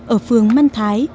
ở phương mân thái